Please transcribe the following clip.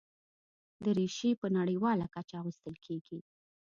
دریشي په نړیواله کچه اغوستل کېږي.